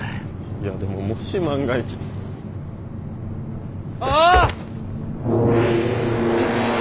いやでももし万が一あっ！